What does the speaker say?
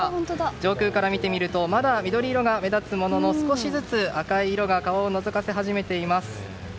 上空から見てみるとまだ緑色が目立つものの少しずつ赤い色が顔をのぞかせ始めています。